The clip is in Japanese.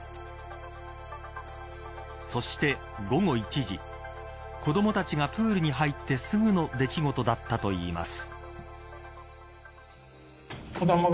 そして午後１時子どもたちがプールに入ってすぐの出来事だったといいます。